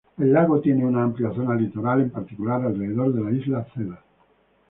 El lago tiene una amplia zona litoral, en particular alrededor de la isla Cedar.